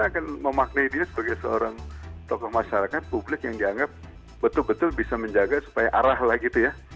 saya akan memaknai dia sebagai seorang tokoh masyarakat publik yang dianggap betul betul bisa menjaga supaya arah lah gitu ya